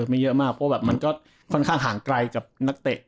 เพราะว่ามันก็ค่อนข้างห่างไกลกับนักเตะ